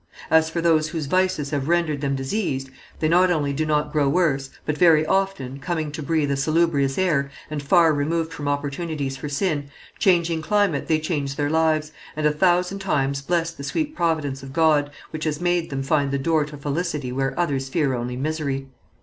As for those whose vices have rendered them diseased, they not only do not grow worse, but very often, coming to breathe a salubrious air, and far removed from opportunities for sin, changing climate they change their lives, and a thousand times bless the sweet providence of God, which has made them find the door to felicity where others fear only misery.